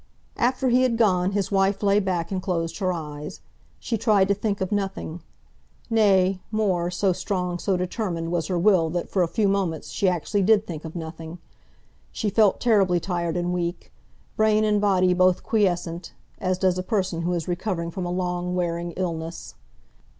After he had gone, his wife lay back and closed her eyes. She tried to think of nothing. Nay, more—so strong, so determined was her will that for a few moments she actually did think of nothing. She felt terribly tired and weak, brain and body both quiescent, as does a person who is recovering from a long, wearing illness.